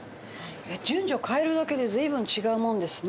順序変えるだけで随分違うもんですね。